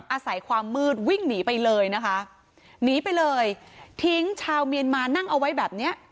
อาศัยความมืดวิ่งหนีไปเลยนะคะหนีไปเลยทิ้งชาวเมียนมานั่งเอาไว้แบบเนี้ย